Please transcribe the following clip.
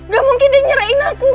gak mungkin dia nyerahin aku